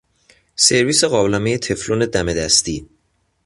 سرویس قابلمه تفلون دم دستی